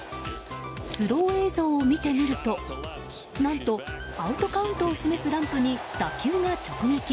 スロー映像を見てみると何とアウトカウントを示すランプに打球が直撃。